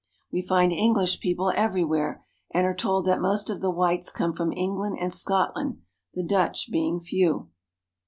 We find English people everywhere, and are told that most of the whites come from England and Scotland, the Dutch being few.